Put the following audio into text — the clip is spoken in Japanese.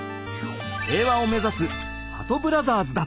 平和を目指すはとブラザーズだ！